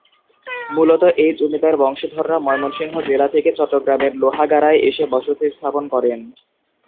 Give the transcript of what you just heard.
মূলত এই জমিদার বংশধররা ময়মনসিংহ জেলা থেকে চট্টগ্রামের লোহাগাড়ায় এসে বসতি স্থাপন করেন।